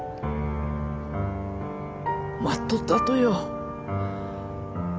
待っとったとよ。